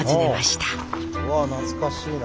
うわ懐かしいな。